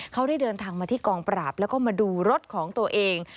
เขาได้เดินทางมาที่กองปราบแล้วก็มาดูรถของตัวเอง